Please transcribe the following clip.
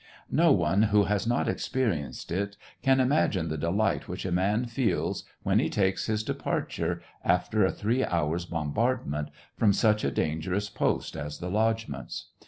No one who has not experienced it can imagine the dehght which a man feels when he takes his departure, after a three hours bombardment, from such a dangerous post as the lodgements.